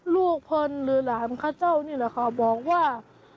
พลหรือหลานข้าเจ้านี่แหละค่ะบอกว่า